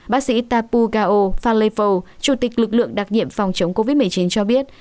bác sĩ tapu gao phanlepho chủ tịch lực lượng đặc nhiệm phòng chống covid một mươi chín cho biết